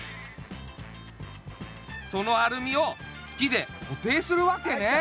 そのアルミを木でこていするわけね。